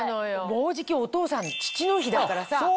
もうじきお父さん父の日だからさ。